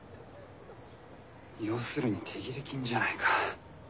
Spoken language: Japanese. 要するに手切れ金じゃないか。